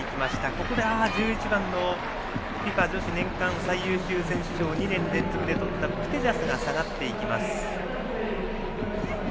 ここで１１番のＦＩＦＡ女子年間最優秀選手賞を２年連続でとったプテジャスが下がりました。